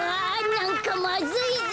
なんかまずいぞ！